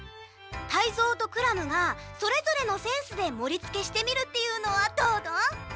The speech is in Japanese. タイゾウとクラムがそれぞれのセンスでもりつけしてみるっていうのはどうドン？